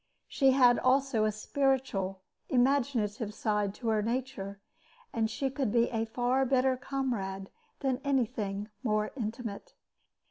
She had also a spiritual, imaginative side to her nature, and she could be a far better comrade than anything more intimate.